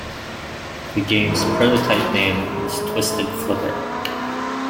The game's prototype name was "Twisted Flipper".